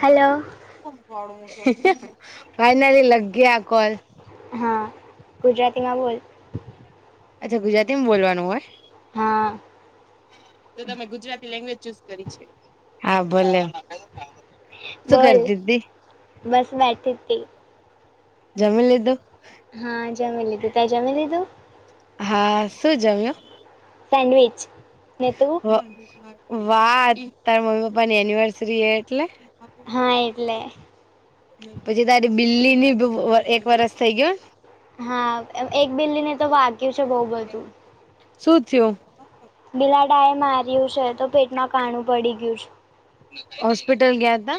Hello finally લગ ગયા call. હા ગુજરાતીમાં બોલ. અચ્છા ગુજરાતી બોલવાનું હોય. હા તો તમે ગુજરાતી લેંગ્વેજ ચુઝ કરી છે હા ભલે શું બોલ કરતી તી બસ બેઠી તી જમી લીધું હા જમી લીધું તે જમી લીધું હા શું જમ્યો. સેન્ડવીચ ને તું. વા વાહ તારા મમ્મી પપ્પાની એનિવર્સરી હે એટલે. હા એટલે. પછી તારી બિલ્લી ની બ એક વર્ષ થઈ ગયો. હા એ એક બિલ્લી ને તો વાગ્યું છે બહુ બધું. શું થયું. બિલાડા એ માર્યું છે તો પેટમાં કાણું પડી ગયું છે. હોસ્પિટલ ગયા તા.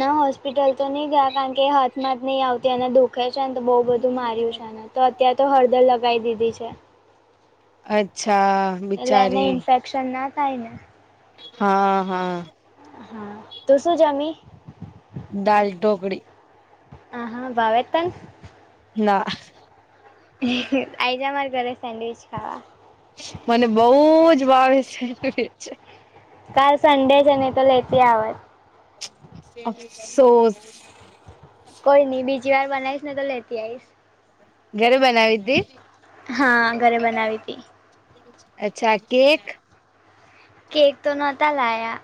ના હોસ્પિટલ તો નહી ગયા કારણ કે હાથમાંત નહી આવતી અને દુઃખ દુઃખે છે ને તો બો બધું માર્યું છે ને તો અત્યારે તો હળદર લગાવી દીધી છે. અચ્છા બિચારી સન્ના તાઈ ને હા હા. હા તું શું જમી. દાલ ઢોકરી આ હા ભાવે એ તન ના. હે એ આઈજ માર ઘરે સેન્ડવિચ ખાવા. મને બહુ જ વાર [unintelligible] છે. કાલ સંડે છે ને તો લેતી આવાજ અફસોસ કોઈ નઈ બીજી વાર બનાઈશ ને તો લેતી આઈશ. ઘરે બનાવી હિતી. હા ઘરે બનાવી હિતી. અચ્છા કેક. કેક તો નોતા લાયા.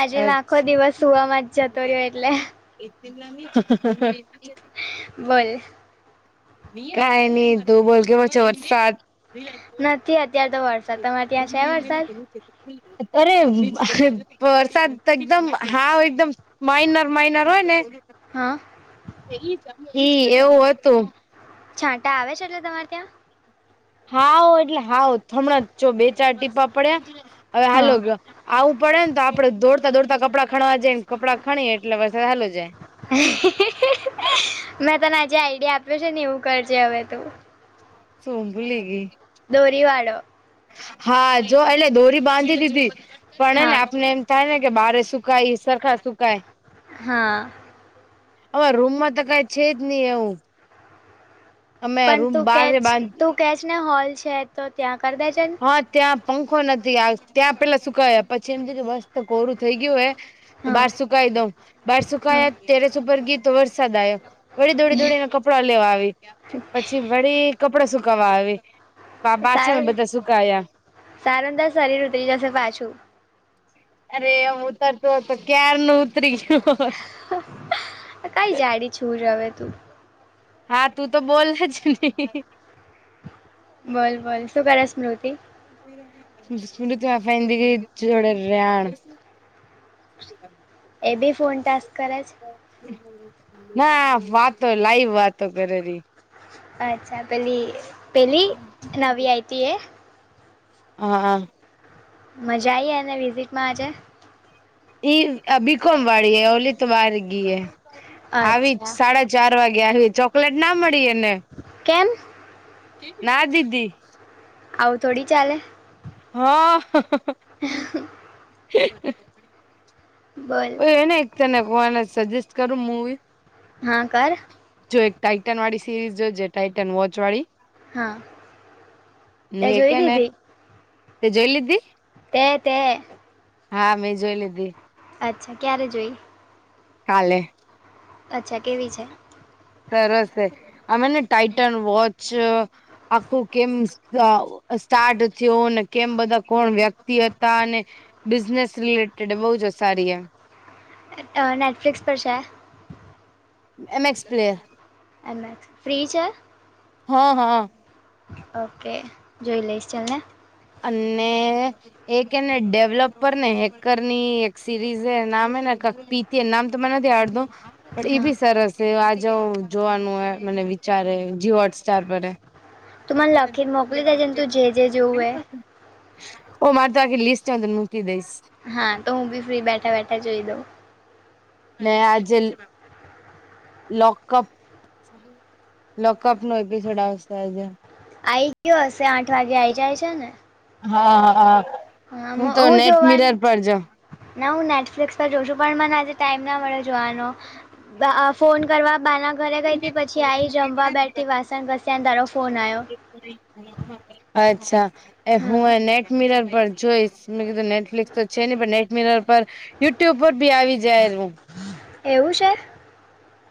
આજે મેં આખો દિવસ સુવામાં જ જતો રહ્યો એટલે. [unintelligible] હા, હા, હા. બોલ. કઈ નહી તું બોલ કેવો છે વરસાદ. નથી અત્યારે તો વરસાદ તમારે ત્યાં છે વરસાદ. અરે હ વરસાદ તો એકદમ હા ઓ એકદમ માઇનર માઇનર હોય ને હા. ઈ એવું હોતું. છાંટા આવે છે એટલે તમારે ત્યાં. હવ એટલે હવ હમણાં જ ચો બે ચાર ટીપા પડ્યા હવે હાલો હા ગ આવું પડે ને તો આપડે દોડતા દોડતા કપડાં ખણવા જઈએ ને કપડાં ખણીએ એટલે વરસાદ હાલ્યો જાય. [unintelligible] મેં તને અ જે આઈડિયા આપ્યો છે ને એવું કરજે હવે તું. સો હું ભૂલી ગઈ. દોરી વાળો. હા જો એટલે દોરી બાંધી દીધી પણ ને હા ને આપણે થાય ને કે બારે સુકાય સરખા સુકાય હા. અમારા રૂમ માં તો કઈ છે જ ની એવું. અમે પણ રૂમ તું બાર કેચ બાંધ તું કેચ ને હોલ છે તો ત્યાં કર દે જે હ ત્યાં પંખો નથી આવ ત્યાં પેલા સુકયા પછી એમ છે કે મસ્ત તો કોરું થઈ ગયું હે. તો હા બાર સુકાઈ દઉં બાર હા સુકાયા તેરસ ઉપર ગઈ તો વરસાદ આવ્યો. વળી દોડી દોડીને કપડા લેવા આવી પછી વળી કપડા સુકવા આવી. પાછામાં સારું બધા સુકાયા તારુ શરીરઋતરી જશે પાછું અરે એમ ઉતરતું હોય તો ક્યાર નુ ઉતરી ગયું કઈ જાડી છું રવે તું હા તું તો બોલ જ નહી બોલ બોલ શું કરે સ્મૃતિ [inaudible] સુનિતા ફઈ જોડે રયાણ એ બી ફોન ટટેસ્ક કરે છે. ના વાતો લાઈવ વાતો કરેલી અચ્છા પહેલી હા મજા આઈએ ને વિઝિટમાં આજે ઈ બીકમ વાળી ઓલી તો વાર ગી આવી અચ્છા સાડા ચાર વાગે આવી ચોકલેટ ના મળીએને કેમ ના દીદી આવું થોડી ચાલે હા હ હ બોલ એને એક તને કોને સજેસ્ટ કરું મુવી હા કર જો એક ટાઇટન વાળી સિરીઝ જો જે ટાઇટન વોચ વાળી હા તે ને જોઈ કેને દીધી તે જોઈ લીધી તે તે હા મેં જોઈ લીધી અચ્છા ક્યારે જોઈ કાલે અચ્છા કેવી છે સરસ છે અમે ને ટાાઈટન વોચ આખું કેમ સ્ટાર્ટ થયો અને કેમ બધા કોણ વ્યક્તિ હતા અને બિઝનેસ રિલેટેડ બહુ જ સારી એ નેટફ્લિકસ પર છે MX player M X free છે છે હા હા ઓકે જોઈ લઈશ ચલ ને અને એક એને ડેવલપર ને હેકર ની એક સિરીઝ નામ ને પી તે એ નામ તો મ નથી દ આડ દો પણ એ હા બી સરસ છે આ જા જોવાનું હોય મને વિચારે જી હોટસ્ટાર પરે તું મને લખીને મોકલી દેજને તું જે જે જોવું હો ઓ મારે ત લિસ્ટમાંંદ મૂકી દઈશ હા તો હું બી ફ્રી બેઠા બેઠા જોઈ દઉં મે આજે લોકઅપ લોકઅપ નો એપિસોડ આવશે આજે આ આવી ગયો હશે આઠ વાગે આઈ જાય છે ને હા હા હા હા હું મ- તો નેટ મિરર જોવાનું પર જાઉ ના હું નેટફ્લિક્સ પર જોઉ છું પણ મને આજે ટાઈમ ના મળે જોવાનો ફોન કરવા બાના ઘરે ગઈ હતી પછી આઈ જમવા બેઠી વાસણ ઘસ્યાને તારો ફોન આવ્યો. અચ્છા એ હું હા એ નેટ મિરર પર જોઈશ મેં કીધું નેટફ્લિક્સ તો છે ની પણ નેટમીરર પર યુટ્યુબ પર બી આવી જાયરુ. એવું છે?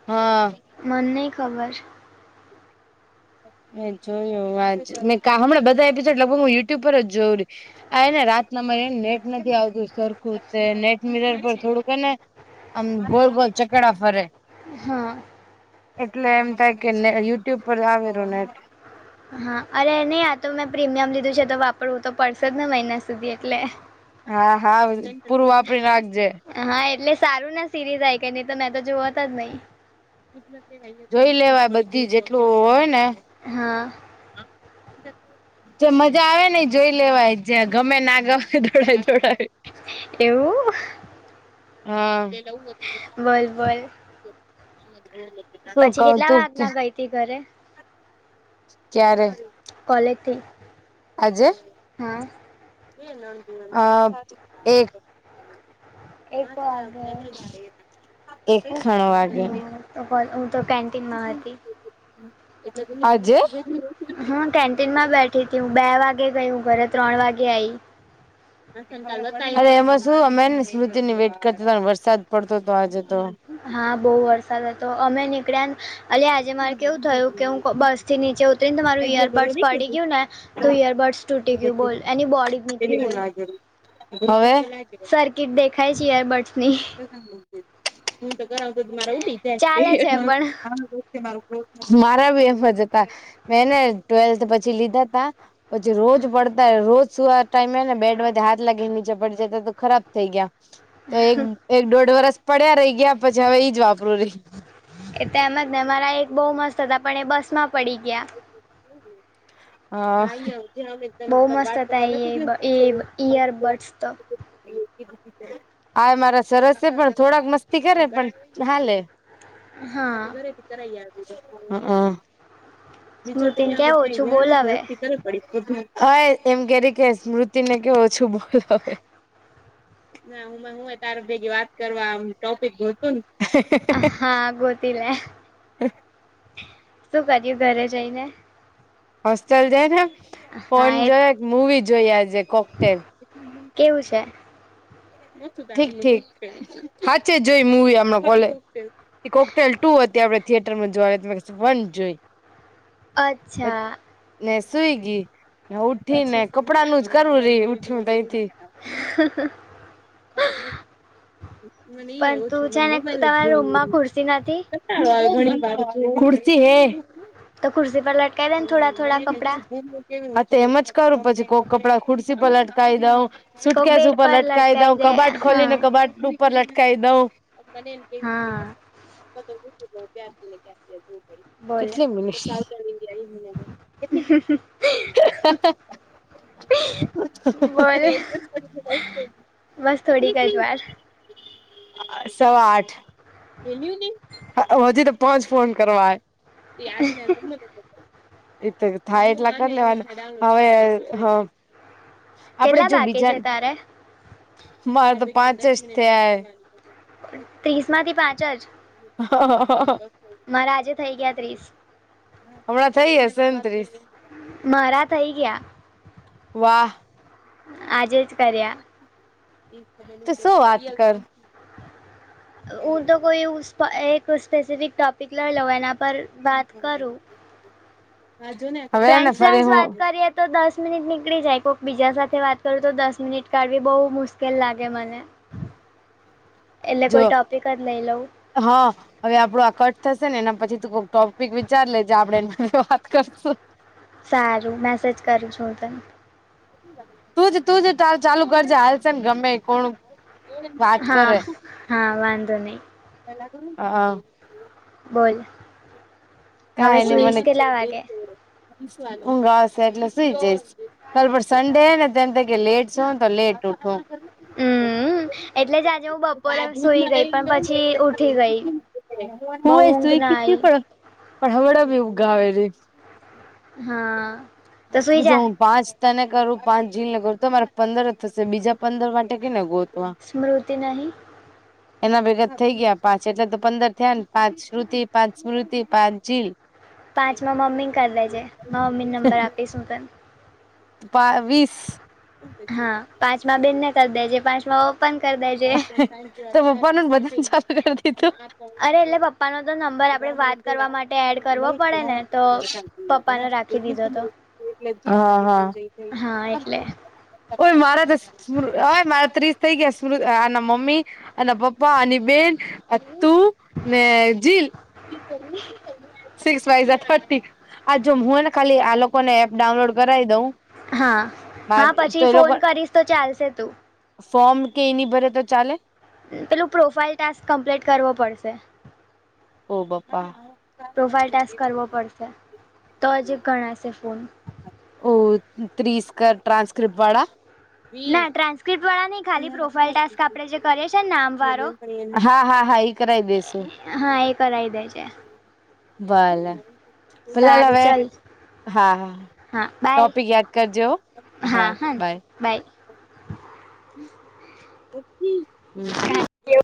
હા મન નહીં ખબર. મેં જોયું વાજ ને કા હમણાં બધા એપિસોડ લગભગ હું યુટ્યુબ પર જ જોઉંરી. આ એને રાતના મને હેને નેટ નથી આવતું સરખું તે નેટ મિરર પર થોડુંક હે ને. આમ ગોલ ગોલ ચકેડા ફરે. હા એટલે એમ થાય કે ને યુટ્યુબ પર આવેરુ નેટ. હા અરે નહી આ તો મેં પ્રીમિયમ લીધું છે તો વાપરવું તો પડશે જ ને મહિના સુધી એટલે. હા હા પૂરું વાપરી નાખજે. હા એટલે સારું ને સિરીઝ આઈ કે નહી તો મેં તો જોવ તજ નહી. જોઈ લેવાય બધી જેટલું હોય ને હા જે મજા આવે ને એ જોઈ લેવાય. જ્યાં ગમે ના ગમે દોડાવી દોડાવીને એવું બોલ બોલ હહ [inaudible] પછી કેટલા વાગના ગઈતી ઘરે? ક્યારે? કોલેજથી આજે? હા અ એક એક વાગે [inaudible] એક હું ખણ વાગે. હું તો કેન્ટીનમાં હતી [inaudible] અજે? હહ કેન્ટીનમાં બેઠીતી હું બે વાગે ગઈ હું ઘરે ત્રણ વાગે આઈ. અરે એમાં શું અમે હે ને સ્મૃતિની વેટ કરતા તા ને વરસાદ પડતો તો આજે તો. હા બહુ વરસાદ હતો અમે નીકળ્યા ન અલી આજે મારે કેવું થયું કે હું બસથી નીચે ઉતરીને તો તમારું ઈયરબડ્સ પડી ગયું ને તો ઈયરબડ્સ તૂટી ગયું બોલ એની બોડી જ નીકળી ગઈ. હવે? સર્કિટ દેખાય છે ઈયરબડ્સની હું તો કરાવુ તો તો મારા ઉડી ચાલે છે પણ જાય [inaudible] મારા બી એમ જ હતા મેં ને ટ્વેલ્થ પછી લીધાતા. પછી રોજ પડતા રોજ સુવા ટાઈમે હે ને બેડમાંથી હાથ લાગીને નીચે પડી જતા તો ખરાબ થઈ ગયા. તો એક એક દોઢ વરસ પડ્યા રહી ગયા પછી હવે ઈજ વાપરુંરી. એ તો એમ જ ને મારા એક બહુ મસ્ત હતા પણ એ બસમાં પડી ગયા. હહ અ [inaudible] બહુ મસ્ત હતા એબ એબ ઈયરબડ્સ તો આય મારા સરસ છે પણ થોડાક મસ્તી કરે પણ હાલે. આ હા તો ઘરેથી કરાઈ આવી [inaudible] હહ અ બીજા ત સ્મૃતિને ઈયા કે આવીને ક્યાં ઓછું ગયા નથી બોલાવે હસ્તી તરત ઓય એમ કેરી કે સ્મૃતિને કે ઓછું બોલ હવે. ના હું માર હું એ તાર ભેગી વાત કરવા આમ ટોપિક ગોતું ન હા ગોતી લે. શું કર્યું ઘરે જઈને? હોસ્ટેલ જઈને હા ફોન એ જોયો, એક મુવી જોઈ આજે કોકટેલ. કેવું છે? ઠીક ઠીક. હાચે જોઈ મુવી હમણાં કોલે કોકટેલ ટુ હતી આપડે થિયેટરમાં જોવા વન જોઈ. અચ્છા. ને સુઈ ગઈ ઉઠી ને પછી કપડાનું જ કરવું રહી ઉઠ્યું તો ત તહીથી. હ. મને ઈ એ પણ તું ઓછું છે મને ને મોબાઈલ જ તમારા રૂમમાં જોવું. ખુરશી નથી વા ઘણી [unintelligible] ખુરશી હે. તો કુર્સી પર લટકા દેને થોડા-થોડા કપડા. હ તે એમજ કરું પછી કોક કપડા ખુરશી પલટકાવી દઉં કોક સુટકેસ બેડ ઉપર પર લટકાઈ દઉ દે કબાટ ખોલી હા ને કબાટ ઉપર લટકાઈ દઉ બ હા. કેટલી મિનિટ. હમહ. બોલ બસ થોડી કજ વાર. અ સવા આઠ પ હજી તો પોચ ફોન કરવા આજ. એ તો થાય એટલા કરી લેવાનું હવે હ. આપડે કેટલા જો બાકી બીજા છે તારે મારે તો પાંચ જ થયા હે. ત્રીસ માંથી પાંચ જ. હા હા હા. મારા આજે થઈ ગયા ત્રીસ. હમણાં થઈ હસે ને ત્રીસ. મારા થઇ ગયા. વાહ. આજે જ કર્યા. તું શું વાત કર. હું તો કોઈ એવુ એક સ્પેસિફિક ટોપિક લઈ લેવ એના પર વાત કરું આ જોને. હવેને ફ્રેન્ડ્સ ફરી ફ્રેન્ડ્સ હું વાત કરીએ તો દસ મિનિટ નીકળી જાય કોક બીજા સાથે વાત કરું તો દસ મિનિટ કાઢવી બહુ મુશ્કેલ લાગે મને. [inaudible] એટલે કોઈ ટોપિક જ લઈ લઉં. હ. હવે આપડું આ કટ થશે ને એના પછી તું કોક ટોપિક વિચાર લેજ આપડે એ વાત કરશું. સારું મેસેજ કરું છું હું તને. તું જ તુંજ ચાલુ કરજે હાલશે ને ગમે કોણ વાત હા કરે હા વાંધો નહીં અ હ. બોલ. હવે કાંઈ નહી સુઈશ કેટલા વાગે મને ઊંઘ આવશે એટલે સુું જઈશ. કાલ પર સન્ડે હે ને તો એમ થાય કે લેટ સૂવું ને તો લેટ ઉઠું. હમ્મ એટલે જ આજે હું બપોરે સુઈ ગઈ પણ પછી ઉઠી ગઈ. બઉ હુંય ઊંઘ સુઈ ના આઈ. ગીતી પણ પણ હવળ ભી ઊંઘ આવેલી. હા. તો સુઈ હું જા જોવ પાંચ તને કરું પાંચ જીલને કરું. તો મારે પંદર જ થશે બીજા પંદર માટે કેને ગોતવા. સ્મૃતિ નહી. [inaudible] એના ભેગા તો થઈ ગયા પાંચ. એટલે તો પંદર થયા ને પાંચ શ્રુતિ, પાંચ સ્મૃતિ, પાંચ જીલ. પાંચ માં મમ્મીને કરી લેજે મા મમ્મીને નંબર આપીશ હું તને. બાવીસ હા પાંચ માં બેનને કર દેજે પાંચ માં ઓપન કરી દેજે તો પપ્પાનું બધા સાફું કરીતી અરે એટલે પપ્પાનો તો નંબર આપણે વાત કરવા માટે એડ કરવો પડે ને તો પપ્પાનો રાખી દીધો તું તો [unintelligible] હા હા હા એટલે ઓય મારાતો સ મારા ત્રીસ થઇ ગયા શે આના મમ્મી, આના પપ્પા, આની બેન તું ને જીલ સિક્સ ફાઇવ ઝા થર્ટી, આ જો હુંને ખાલી આ લોકોને એપ ડાઉનલોડ કરાવી દઉં હા હા તો પછી એ લોકો ફોન કરીશ તો ચાલશે તું ફોર્મ કે એની ભરે તો ચાલે પેલું પ્રોફાાઈલ ટાસ્ક કમ્પ્લીટ કરવો પડશે ઓહ બાપા પ્રોફાઇલ ટેસ્ટ કરવો પડશે તોજ ગણાશે ફોન ઓ ત્રીસકા ટ્રાસક્રિપ્ટ વાળા ના ટ્રાન્સ્ક્રિપ્ટ વાળા નહી, ખાલી પ્રોફાાઈલ ટાસ્ક આપડે જે કરીએ છે નામ વાળો હા હા હા એ કરાઈ દેસુ હા એ કરાઈ દેજે વાલા કલાલ સારું હવે ચલ હા હા [unintelligible] હા બાય ટોપિક યાદ કરજેહો હા બાય બાય [unintelligible]